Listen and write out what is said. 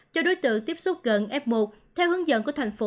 cho đối tượng tiếp xúc gần f một